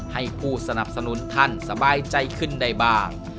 ให้ผู้สนับสนุนท่านสบายใจขึ้นได้บ้าง